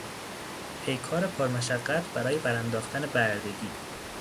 پیکار پر مشقت برای برانداختن بردگی